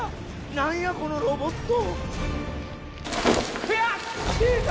何やこのロボット！